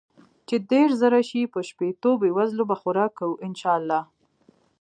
چې ديرش زره شي په شپيتو بې وزلو به خوراک کو ان شاء الله.